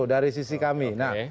dari sisi kami